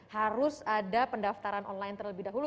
harus ada pendaftaran online terlebih dahulu